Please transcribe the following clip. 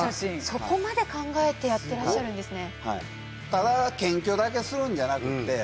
そこまで考えてやってらっしゃるんですね